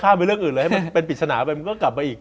พร้อมให้ในเรื่องอื่นเลยให้เป็นปริศนาไปมันก็กลับไปอีก